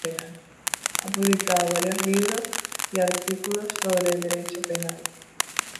Ha publicado varios libros y artículos sobre Derecho Penal.